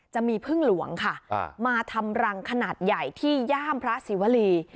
จะมีพึ่งหลวงค่ะมาทำรังขนาดใหญ่ที่ย่ามพระศิวรี